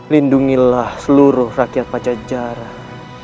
lindungilah seluruh rakyat pacar jarak